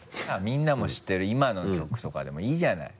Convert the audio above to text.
みんなも知ってる今の曲とかでもいいじゃない。